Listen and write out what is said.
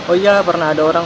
oh iya pernah ada orang